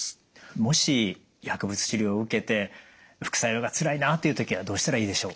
もし薬物治療を受けて副作用がつらいなっていう時はどうしたらいいでしょう？